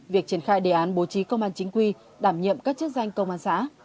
việc triển khai đề án bố trí công an chính quy đảm nhiệm các chức danh công an xã